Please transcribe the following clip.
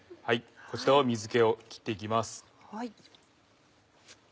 こちらを水気を切っていきます。